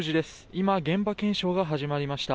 今、現場検証が始まりました。